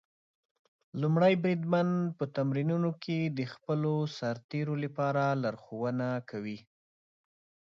لومړی بریدمن په تمرینونو کې د خپلو سرتېرو لارښوونه کوي.